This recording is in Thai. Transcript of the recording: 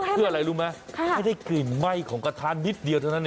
เพื่ออะไรรู้ไหมให้ได้กลิ่นไหม้ของกระทะนิดเดียวเท่านั้นเอง